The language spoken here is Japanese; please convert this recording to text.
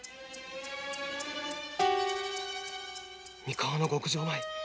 三河の極上米